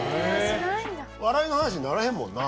笑いの話にならへんもんな。